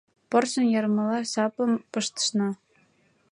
Порсын ярымла сапым пыштышна.